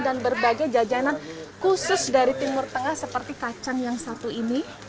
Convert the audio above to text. dan berbagai jajanan khusus dari timur tengah seperti kacang yang satu ini